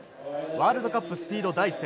ワールドカップ、スピード第１戦。